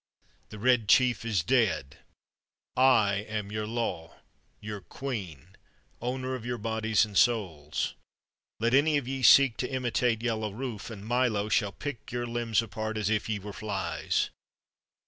The Red Chief is dead; I am your law, your queen, owner of your bodies and souls! Let any of ye seek to imitate Yellow Rufe, and Milo shall pick your limbs apart as if ye were flies.